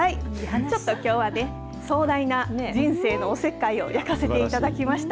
ちょっときょうはね、壮大な人生のおせっかいを焼かせていただきました。